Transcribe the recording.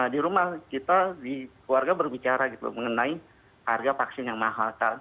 di rumah kita di keluarga berbicara gitu mengenai harga vaksin yang mahal